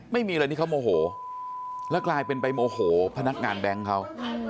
ไม่มีอะไรที่เขาโมโหแล้วกลายเป็นไปโมโหพนักงานแบงค์เขา